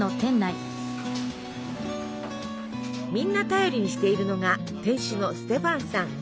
みんな頼りにしているのが店主のステファンさん。